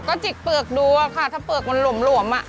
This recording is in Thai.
ก็จิกเปลือกดูอะค่ะถ้าเปลือกมันหลวม